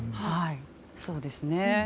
そうですね。